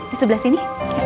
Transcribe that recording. di sebelah sini